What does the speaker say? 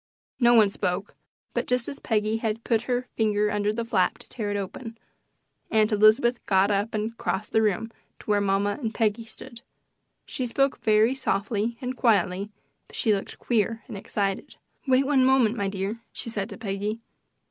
No one spoke; but just as Peggy had put her finger under the flap to tear it open, Aunt Elizabeth got up and crossed the room to where mamma and Peggy stood. She spoke very softly and quietly, but she looked queer and excited. "Wait one moment, my dear," she said to Peggy.